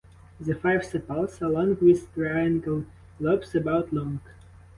The five sepals are long with triangular lobes about long.